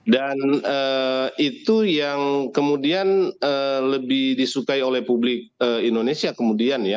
dan itu yang kemudian lebih disukai oleh publik indonesia kemudian ya